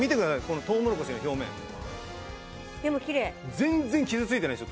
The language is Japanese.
全然傷ついてないでしょ？